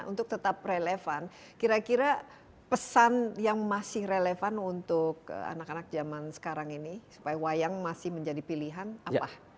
untuk tetap relevan kira kira pesan yang masih relevan untuk anak anak zaman sekarang ini supaya wayang masih menjadi pilihan apa